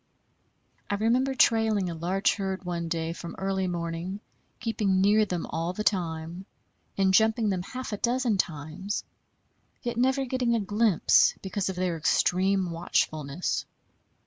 I remember trailing a large herd one day from early morning, keeping near them all the time, and jumping them half a dozen times, yet never getting a glimpse because of their extreme watchfulness.